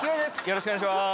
よろしくお願いします。